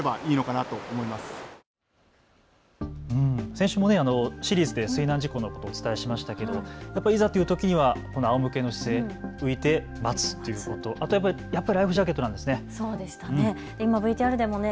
先週もシリーズで水難事故のことをお伝えしましたがいざというときはやっぱりあおむけの姿勢、浮いて待つということ、あとはやっぱりライフジャケットなんですね。